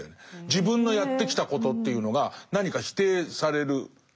自分のやってきたことというのが何か否定されるような。